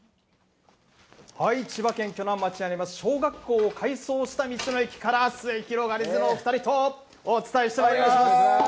千葉県鋸南町にあります小学校を改装した道の駅から、すゑひろがりずのお２人とお伝えしております。